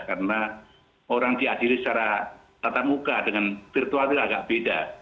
karena orang diadili secara tatamuka dengan virtual itu agak beda